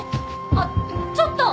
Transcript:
あっちょっと。